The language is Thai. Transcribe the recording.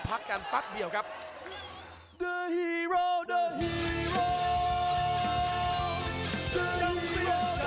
พักกันพักเดี๋ยวกันครับ